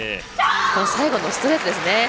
最後のストレートですね。